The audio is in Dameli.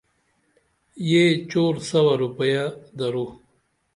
یہ چور سوا روپییہ درو